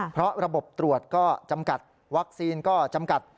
เพราะระบบตรวจก็จำกัดวัคซีนก็จำกัด